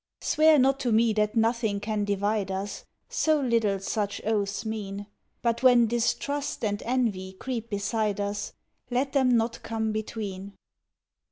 Swear not to me that nothing can divide us So little such oaths mean. But when distrust and envy creep beside us Let them not come between.